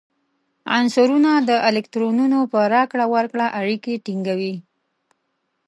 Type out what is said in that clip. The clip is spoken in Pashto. عنصرونه د الکترونونو په راکړه ورکړه اړیکې ټینګوي.